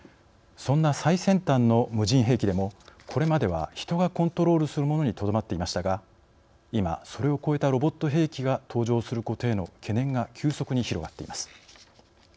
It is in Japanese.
そんな最先端の無人兵器でもこれまでは人がコントロールするものにとどまっていましたが今、それを超えたロボット兵器が登場することへの懸念が急速に広がっています。